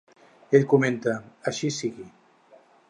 Ell comenta: Així sigui.